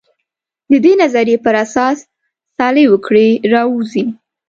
د دې نظریې پر اساس صالح وګړي راووځي.